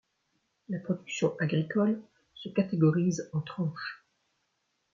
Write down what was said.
La production agricole se catégorise en tranches.